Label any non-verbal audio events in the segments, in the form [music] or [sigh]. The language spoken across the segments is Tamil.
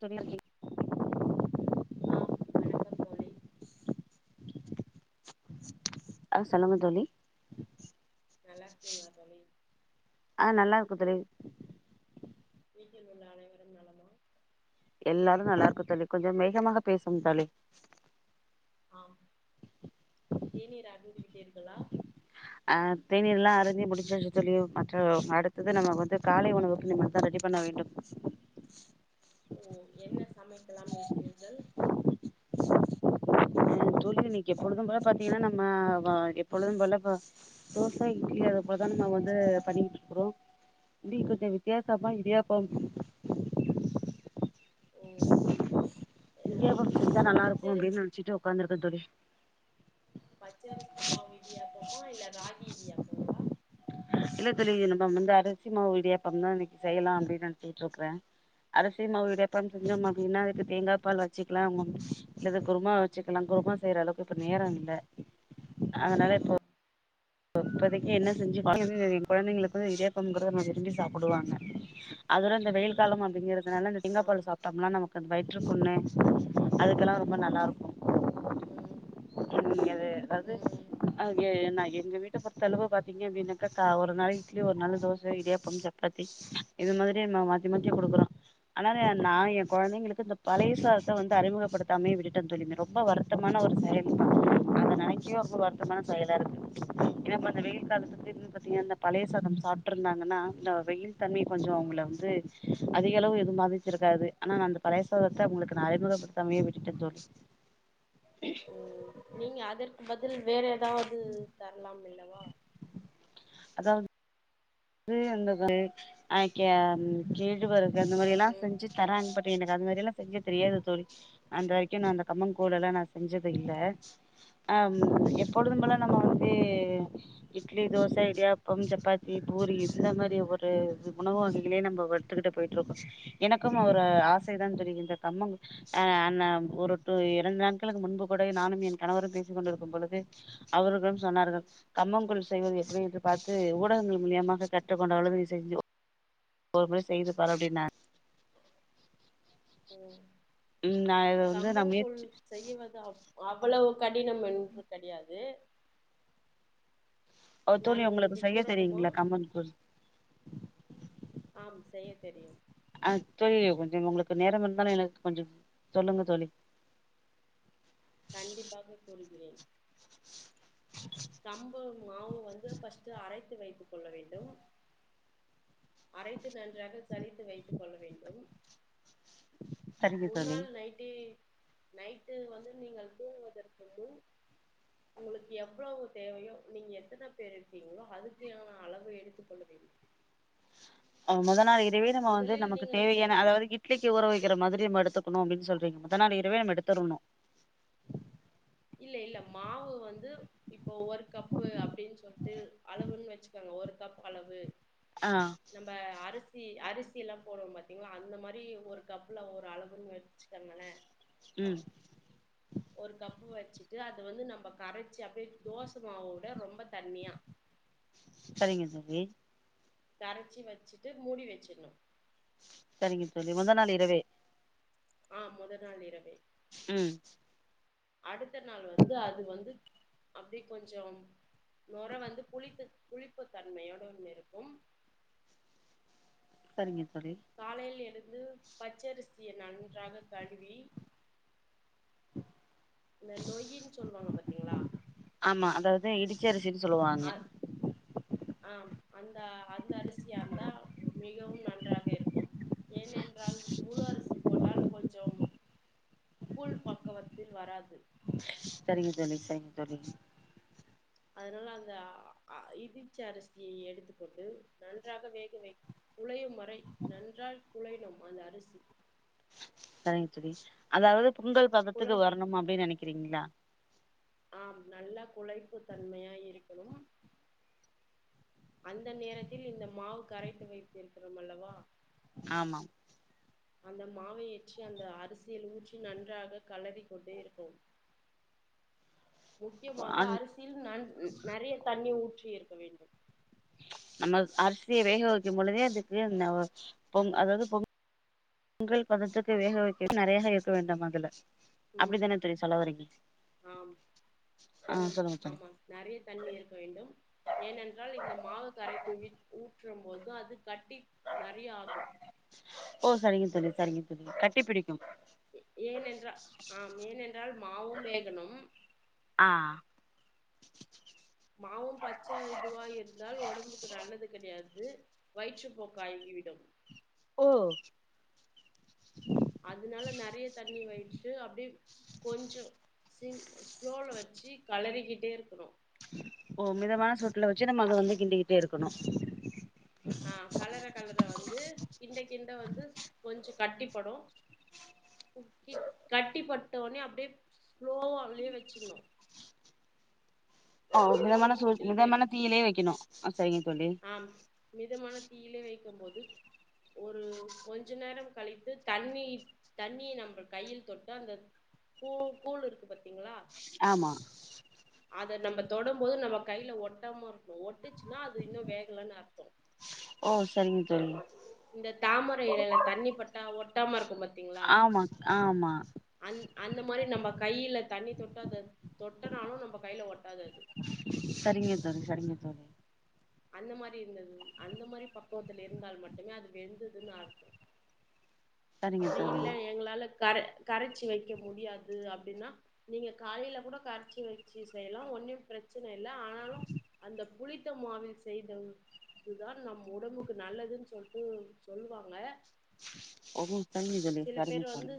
சொல்லிருக்கிங் ஆம் வணக்கம் தோழி ஆ சொல்லுங்க தோழி நல்லார்க்கிங்ளா தோழி ஆ நல்லா இருக்கு தோழி வீட்ல உள்ள அனைவரும் நலமா எல்லாரு நல்லாருக்கொ தொழி கொஞ்சம் வேகமாக பேசும் தோழி ஆம் தேனீர் அருந்திவிட்டீர்களா அஹ் தேனீர்லா அருந்தி முடிஞ்சாச்சு தொழிவ் மற்ற அடுத்தது நம வந்து காலை உணவுக்கினிமேதா ரெடி பண்ண வேண்டும் ஓ என்ன சமைக்கலாம் இருக்கிறீர்கள் தோழி இன்னைக்கு எப்பொழுதும் போல பாத்திங்னா நம்ம வ எப்பொழுதும் போல தோச இட்லி அத போலதான் ம வந்து பண்ணிட்டு இருக்றோ இடிக்கொஞ்சொ வித்தியாசமா இடியாப்பம் ஓ. அ இங்க கொண்டு வந்தா நல்லா இருக்கு பச்சரிசி அப்டின்னு நெனச்சிட்டு உட்காந்துருக்க தோழி. பச்சரிசி மாவு இடியாப்போமா இல்ல ராகி நீயா போவா இல்ல [unintelligible] நம்ம வந்து அரிசி மாவு இடியப்பாதா இன்னைக்கி செய்லா அப்டின்னு நெனச்சிட்டு இருக்குறேன் அரசி மாவு வேப்பம் [unintelligible] தேங்காப் பால் வச்சுக்கலா, இல்லது குருமா வச்சுக்கலா, குருமா செய்ற அளவுக்கு இப்ப நேரோ இல்ல அதனால ஆ இப்போ இப்போதைக்கு என்ன செஞ்சு [unintelligible] கொழந்தைங்களுக்கு இடியாப்ங்கர விரும்பி சாப்டுவாங்க, அதோட இந்த வெயில் காலம் அப்டிங்கற அதனால இந்த தேங்கா ஆ பால் சாப்டோம்னா நமக் அந்த வயிற்றுக்புண்ணு, அதுக்கெல்லா ரொம்ப நல்லாருக்கு ம் இங்க அது அது ம் அங்க என்னா எங்க வீட்ட பொறுத்த அளவு பாத்தீங்க அப்டின்னாக்கா, ஒரு நாள் இட்லி ஒரு நாள் தோச இடியாப்பம் சப்பாத்தி இது மாதிரி நம்ம மாத்தி மாத்தி கொடுக்குறோ அனால நா என் கொழந்தைங்களுக்கு இந்த பழையசாதத்த வந்து அறிமுகப்படுத்தாமே விட்டுட்டே, ரொம்ப வருத்தமான ஒரு செயல் அத நெனைக்கவே ரொம்ப ஒரு வருத்தமான செயலாருக்கு. என்னப்பா இந்த வெயில் காலத்துக்கு பாத்தீங்கனா இந்த பழைய சாதம் சாப்ட்டுருந்தாங்கன்னா இந்த வெயில் தன்மை கொஞ்சம் ம் அவுங்கள வந்து அதிகளவு இது மாதிச்சிருக்காது, ஆனா நான் அந்த பழயசாத்த உங்களுக்கு நா அறிமுகப்படுத்தாமலையே விட்டுட்டேன் தோழி ஒ நீங்க அதற்கு பதில் வேற அதாவது தரலாம் இல்ல அதாவது [unintelligible] அந்த மாரில்லா ம் செஞ்ஜி தராங் எனக்கு அது மாரில்லாம் செஞ்சி தெரியாது தோழி, அன்று வரைக்கும் நான் அந்த கம்மன் கூழுல்லாம் நான் செஞ்சது இல்ல ஹம் ஆ பொழுதும்போல நம்ம வந்து இட்லி, தோசை, இடியாப்பம், சப்பாத்தி. பூரி இந்த மாரி் ஒரு உணவு வகைகலே நம்ம வருத்துக்கிட்டு போயிட்டுருக்கோம், எனக்கும் ஒரு ஆசை தான் தோலி இந்த கம்மம் அ அந்த ஒருட்டு இரண்டு நாட்களுக்கு முன்பு கூட நானும் என் கணவரும் பேசி கொண்டிருக்கும் பொழுது அவர்களும் சொன்னார்கள் ம் கம்மங்கு செய்வது எப்படி என்று பார்த்து ஊடகங்கள் மூலியமாக கற்றுக் கொண்டாலும் நீ செஞ்சிக்கோ ஒரு முறை செய்து பார் அப்டினார். ம் இத வந்து நா கம்பங்கூள் முயற்சி செய்வதாது அவ் அவ்ளவு கடினம் என்று கடையாது. ஒ தோழி நான் உங்களுக்கு செய்ய கூறட்டுமா தெரியுங்களா கம்மன் கூள்? ஆம் செய்ய தெரியும். ஆஹ் தோழி கொஞ்சம் உங்களுக்கு நேரம் இருந்தால், எனக்கு கொஞ்சம் சொல்லுங்க தோழி. கண்டிப்பாக சொல்லுகிறேன் சம்பவு மாவு வந்து ஃபஸ்ட் அரைத்து வைத்துக் கொள்ள வேண்டும் அரைத்து நன்றாக சளித்து வைத்துக் கொள்ள வேண்டும் சரிங்க தோழி முன்னாள் நைட்டே நைட்டு வந்து நீங்கள் தூங்குவதற்கு முன் உங்களுக்கு எவ்ளோவு தேவையோ நீங்க எத்தன பேர் இருக்கீங்களோ அதுக்கான அளவு எடுத்துக் கொள்ள வேண்டும் ஆஹ் மொத நாள் இர துவே நம்ம வந்து முதலில் நமக்கு நீங்கள் செ தேவையான அதாவது இட்லிக்கு ஊற வைக்கிற மாதிரி நம்ம எடு எடுத்துக்கணுணு அப்டின்னு சொல்றீங்க மொத நாள் இரவே நம்ம எடுத்துரணும் இல்ல இல்ல மாவு வந்து இப்போ ஒரு கப்பு அப்டின்ட்டு சொல்ட்டி அளவுன்னு வெச்சுகோங்க ஒரு கப் அளவு ஆ நம்ம அரு சி அரிசி எல்லாம் போடுவோம் பாத்தீங்களா அந்த மாரி ஒரு கப்புல ஒரு அளவுன்னு வெச்சுக்காங்கல உம் பூ வச்சுட்டு அது வந்து நம்ம கரச்சு அப்டியே தோச மாவவுட ரொம்ப தண்ணியா செரிங்க தோழி கரச்சு வெச்சிட்டு மூடி வெச்சிரணு செரிங்க தோழி முதனாள் இரவே ஆஹ் மொத நாள் இரவே உம் அடுத்த நாள் வந்து அது வந்து அப்டி கொஞ்சம் நொற வந்து புளித்த புளிப்பு தன்மையோட ஒண்ணு இருக்கும் சரிங்க தோழி காலையில் எடுத் வந்து பச்சரிசிய நன்றாக கழுவி இந்த நொய்யின்னு சொல்லுவாங்க பாத்தீங்களா செரி செரி சொல்லுவாங்க ஆஹா அந்த அந்த அரிசியா இருந்த மிகவும் நன்றாக இருக்கும் ஏனென்றால் முழு அரிசி போட்டால் கொஞ்சம் கூழ் பக்கவத்தில் வராது சரிங்க தோழி சரிங்க தோழி அதனால அந்த அ இடிச்ச அரிசியை எடுத்துக்கொண்டு நன்றாக வேகவைத்து குழையும் வரை நன்றாய் குழையணும் அந்த அரிசி சரிங்க தோழி அதாவ்து பொங்கல் பதத்துக்கு குழை வரணும் அப்படின்னு நனைக் இருக்கீங்களா ஆஹம் நல்ல குழைப்பு தன்மையா இருக்கணும் அந்த நேரத்தில் இந்த மாவு கரைத்து வைத்திருக்குறோம் அல்லவா ஆமா அந்த மாவை ஏற்றி அந்த அரிசியில் ஊற்றி நன்றாக களறிக் கொண்டே இருக்கவும் முக்கியமாக அந் அரிசியில் நன் நறைய தண்ணி ஊற் இருக்க வேண்டும் நம்ம அரிசிய வேக வைக்கும் பொழுதே அதுக்கு [unintelligible] பொங்க அதாது பொங் உங்கள் பதத்துக்கு வேக வைக்கவும் நறையாக இருக்க வேண்டாம் அதுல உம் அப்டித்தானே தோழி சொல்ல வரீங்க ஆ ஆ உம் சொல்லுங்க தோழி ஆமா நறைய தண்ணி இருக்க வேண்டும் ஏனென்றால் இந்த மாவு கரைத்துவிட் உ [unintelligible] போதும் அது கட்டி நறைய ஆகும் [unintelligible] கட்டிபிடி ஏன் என்றால் ஆம் ஏனென்றால் மாவும் வேகனும் ஆ மாவும் பச்ச இதுவா இருந்தால் ஒடம்புக்கு நல்லது கிடையாது வயிற்றுப்போக்கா ஆகிவிடும் ஓ அதனால நறைய தண்ணி வடிச்சு அப்டியே கொஞ்ச ச ஸ்லோல வச்சு களறிகிட் சேர்க்கணும் ஓ மிதமான சூட்டுல வச்சு நம்ம அத வந்து கிண்டிக்கிட்டே இருக்கணும் ஆஹ் கெலர கெலர வந்து து கிண்ட கிண்ட வந்து கொஞ்சம் கட்டிப்படும் கட்டிப்பட்டோனே அப்படியே ஸ்லோவலயே வச்சணும் ஆஹ் மிதமான சூ மிதமான தீயிலே வைக்கணும் ஆஹ் சரிங்க தோழி வக்கம் போது ஒரு கொஞ்ச நேரம் கழித்து தண்ணி தண்ணி நம்ம கையில் தொட்டு அந்த கூ கூழ் இருக்கு பாத்தீங்களா ஆமா அத நம்ப தொடும்போது நம்ம கையில ஒட்டாம இருக்கணு ஒட்டுச்சுன்னா அது இன்னு வேகலைன்னனு அர்த்தம் ஓ சரிங்க சொல்ங்க இந்த தாமரை இலையில தண்ணி பட்டா ஒட் ஒட்டாம இருக்கும் பாத்திங்களா ஆமா ஆமா அ அந்த மாதிரி நம்ம கைல தண்ணி தொட்டாத தொட்டனாலும் நம்ம கையில ஒட்டாது அது சரிங்க தோழி சரிங்க தோழி அந்த மாதிரி இருந்தது அந்த மாதிரி பக்கவத்துல இருந்தால் மட்டுமே அது வெந்ததுன்னு அர்த்தம் சரிங்க அப்படி தோழி இல்லை எங்களால கர கரைச்சு வைக்க முடியாது அப் அப்படின்னா நீங்க காலையில கூட கரைச்சி வச்சி செய்யலாம் ஒன்னும் பிரச்சனை இல்லை ஆ த புளித்த மாவில்ஸ் செய்த இதுதான் நம் உடம்புக்கு நல்லதுன்னு சொல்லிட்டு சொல்லுவாங்க [unintelligible] தங்கிதலே வரைமைப்பாருங்க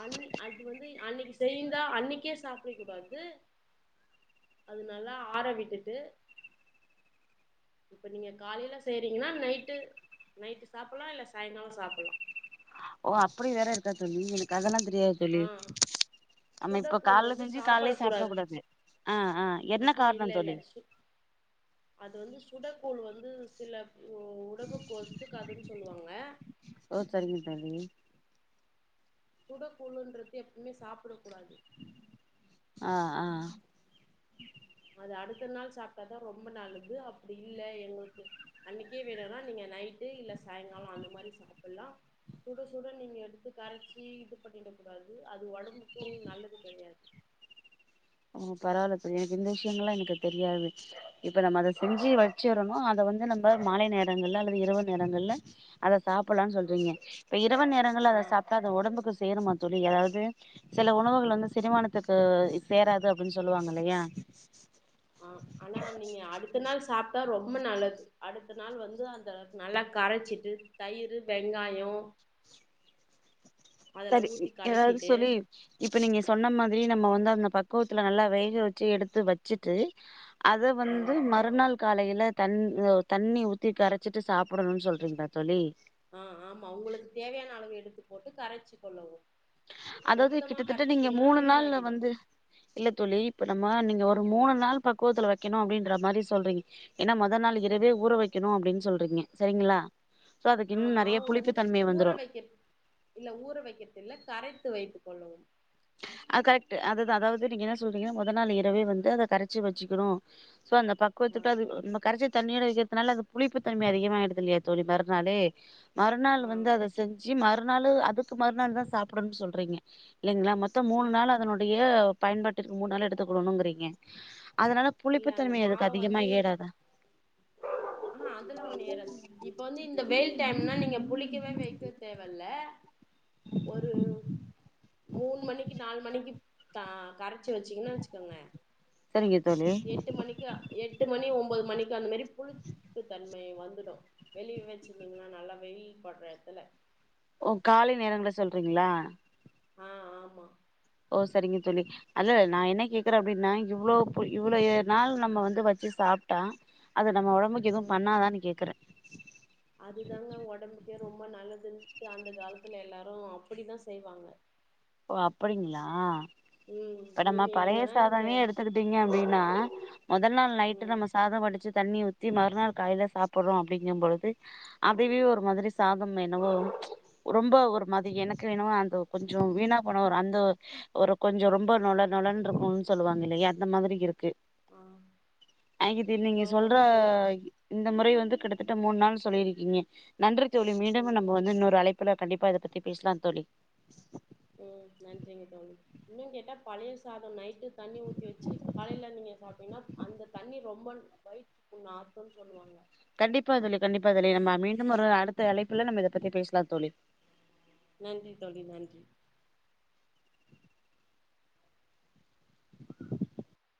அன் அது வந்து அன்னைக்கு செய்ந்தா அன்னைக்கே சாப்பிட கூடாது அது நல்லா ஆற விட்டுட்டு இப்ப நீங்க காலையில செய்றீங்கன்னா நைட்டு நைட்டு சாப்லாம் இல்ல சாயங்காலம் சாப்லாம் ஓ அப்படி வேற இருக்கா தம்பி எனக்கு அதெல்லாம் ஆ [unintelligible] நம்ம இப்ப சுடக்கூழ கால்ல வந்து செஞ்சு கால்லயே சாப்பிடக் சாப்ட்ற கூடாது ஆஹ் ஆஹ் என்ன ஆஹா இல்ல காரணம் இல்ல தோழி சு அது வந்து சுடக்கூழ் வந்து சில ஓ உடம்பு ஒத்துக்காது சொல்லுவாங்க ஓ சரிங்க தளி சுட கூழ்ன்றது எப்பவுமே சாப்பிடகூடாது ஆஹ் ஆஹ் அது அடுத்த நாள் சாப்பிட்டாதான் ரொம்ப நல்லது அப்படி இல் எங்களுக்கு அன்னைக்கே வேணும்னா நீங்க நைட்டு இல்ல சாயங்காலம் அந்த மாரி சாப்டலாம் சுட சுட நீங்க எடுத்து கரைச்சி இது பண்ணிட கூடாது அது உடம்புக்கும் நல்லது கிடையாது பரவாயில்ல பிரியா எனக்கு இந்த விஷயங்கள்ல்லாம் எனக்கு தெரியாது இப்ப நம்ம அதை செஞ்சு வச்சுரனு அத வந்து நம்ம மாலை நேரங்கள்ல அல்லது இரவு நேரங்கள்ல அத சாப்பிலாம்னு ஆ சொல்றீங்க இப்ப இரவு நேரங்கள்ல அத ஆ சாப்ட அத உடம்புக்கு சேருமா தூழி அதாவது சில உணவுகள் வந்து செரிமானத்துக்கு தேராது அப்டின்னு சொல்லுவாங்கல்லையா ஆஹ் ஆனா நீங்க அடுத்த நாள் சாப்டா ரொம் ரொம்ப நல்லது அடுத்த நாள் வந்து அந்த நல்லா கரைச்சிட்டு தயிர் வெங்காயம் சரி ஏதாவது சொல்லி இப்ப நீங்க சொன்ன மா திரி நம்ம வந்து அந்த பக்கவத்துல நல்லா வேக வச்சு எடுத்து வச்சுட்டு அத வந்து ம் மறுநாள் காலையில த தண்ணி ஊத்தி கரைச்சிட்டு சாப்பிடணும்னு சொல்றீங்களா தூழி ஆஹ் ஆமா உங்களுக்கு தேவையான அளவு எடுத்து போட்டு கரைச்சு கொள்ளவும் அதாவது கிட்டத்தட்ட நீங்க மூணு நாள்ல வீணாகிடு வந்து இல்ல தூழி இப்ப நம்ம நீங்க ஒரு மூணு ம் நாள் பக்குவத்துல வைக்கணும் அப்படின்னு மாரி சொல்றீங்க ஏன்ன முதல் நாள் இரவே ஊற வைக்கணும் அப்படின்னு சொல்றீங்க சரிங்களா சோ அதுக்கு ஆஹ் இன்னும் நெறைய மாவு வந்து புளிப்பு தன்மை ஊற வந்துரு வைக்க இல்ல ஊற வைக்கிறது இல்ல கரைத்து வைத்துக் கொள்ளவும் அ கரெக்ட் அது தான் அதாவது நீங்க என்ன சொல்றீங்கன்ன முத நாள் இரவே வந்து அத கரைச்சு வச்சுக்கணும் சோ அந்த ஆ பக்குவத்துட்டு அது நம்ம கரைச்சு தண்ணியோட வக்கிறதுனால அது புளிப்பு தன்மை அதிகமாயிடுது இல்லையா தோழி மறுநாளு மறுநாள் ஆ வந்து அத செஞ்சு மர் மறுநாளு அதுக்கு மறுநாள்தான் சாப்புடனுன் சொல்றீங்க இல்லங்களா மொத்தமூணு இல் நாளு அதனுடைய பயன்பாட்டிற்கு மூணுநாள் எடுத்துக்கொள்ளனுங்கிறீங்க அதனால இல்ல புளிப்பு தன்மை அதுக்கு அதிகமா ஏறாத ஆஹ் அதுல்லாம் ஒன்னும் ஏறாது இப்ப வந்து இந்த வெயில் டைம்னா நீங்க புளிக்கவே வைக்க தேவல்ல ஒரு மூணு மணிக்கி நாலு மணிக்கி தா கரம் அரச்சி வச்சிங்கன் வச்சுக்கோங்க சரிங்க தோழி எட்டு மணிக்கு எட்டு மணி ஒன்பது மணிக்கு [unintelligible] புளிச் உந்துதன்மை வந்துடும் வெளிய வச்சிருந்தீங்கன்னா நல்லா வெயில்பட்ற எடத்துல ஓ காலை நேரங்கள சொல்றீங்களா ஆஹ் ஆமா ஓ சரிங்க தோழி அல்ல நா என்ன கேக்குறேன் அப்டின்னா இவ்ளோ இவ்வளய ம் நாள் நம்ம வந்து வச் ச்சிசாப்ட்ட அத நம்ம உடம்புக்கு எதும் ம் பண்ணாதான்னு கேக்குறன் அதுதாங்க உடம்புக்கே ரொம்ப நல்லதுன்ட்டு அந்த காலத்துல எல்லாரு அப்புடிதான் செய்வாங்க ஓ அப்படிங்களா ம் இப்ப நம்ம நீங்க பழைய எங்கன்னா இங்க சாதமே எடுத்துக்கிட்டீங்க அப்டின்னா மொதநாள் நைட்டு ம் நம்ம சாதம் வடிச்சி தண்ணி ஊத்தி மறுநாள் காலைல சாப்புட்றோம் அப்படிங்கும்பொழுது அப்டேவே ஒரு மாதிரி சாதம் என்னவோ ரொம்ப ஒரு மாதிரி எனக்குஎன்னவோ அந்தகொஞ்சம் வீணா போன ஒரு அந்த ஒரு கொஞ்சம் ரொம்ப நொல நொலன்னுருக்கும்னு சொல்லுவாங்க இல்லயா அந்த மாதிரி இருக்கு ஆ ஐகிதிர் நீங்க இப்ப சொல்ற ஒண்ணு சொல்ல இந்தமுறை வந்து கிட்டத்தட்ட மூணு நாள் சொல்லிருக்கீங்க நன்றி தோழி மீண்டும் ம் நம்ம வந்து இன்னொரு அழைப்புல கண்டிப்பா இத பத்தி பேசலாம் தோழி ம் நன்றிங்க தோழி இன்னும் கேட்டா பழைய சாதம் நைட்டு தண்ணி ஊத்தி வச்சு காலையில நீங்க சாப்ட்டீங்கன்னா அந்த தண்ணி ரொம்ப வயுத்துபுண்ணு ஆத்தும்ன்னு சொல்லுவாங்க கண்டிப்பாத்தொழி கண்டிப்பாத்தொழி நம்ம மீண்டும் ஒரு அடுத்த அழைப்பு அதுக்குள்ள நம்ம இத பத்தி பேசலா தோழி நன்றி தோழி நன்றி